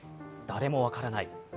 誰も分からない。